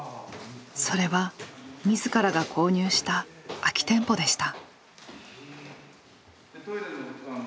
それは自らが購入した空き店舗でした。